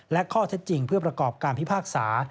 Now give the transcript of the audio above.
และข้อเท็จจริงเพื่อประกอบการพิพากษา